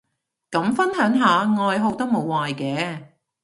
咁分享下愛好都無壞嘅